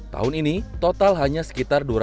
tahun ini total hanya sekitar